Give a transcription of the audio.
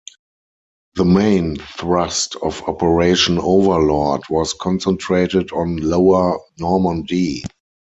The main thrust of Operation Overlord was concentrated on Lower Normandy.